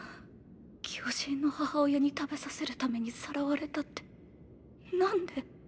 巨人の母親に食べさせるためにさらわれたって何で。